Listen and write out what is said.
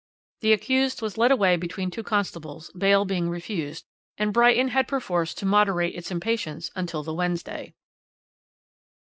The accused was led away between two constables, bail being refused, and Brighton had perforce to moderate its impatience until the Wednesday.